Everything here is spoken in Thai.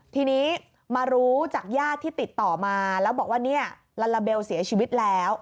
ทีนี้มารู้จากญาติที่ติดต่อมาแล้วบอกว่าเนี่ยลาลาเบลเสียชีวิตแล้ว